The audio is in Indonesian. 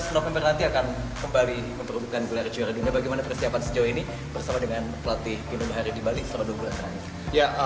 dua belas november nanti akan kembali memperbutkan gelar juara dunia bagaimana persiapan sejauh ini bersama dengan pelatih indo bahari di bali selama dua bulan terakhir